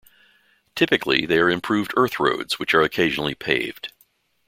Typically they are improved earth roads which are occasionally paved.